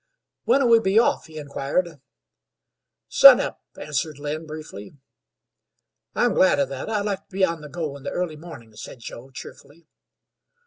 "When'll we be off?" he inquired. "Sun up," answered Lynn, briefly. "I'm glad of that. I like to be on the go in the early morning," said Joe, cheerfully.